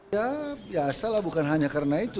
ya biasa lah bukan hanya karena itu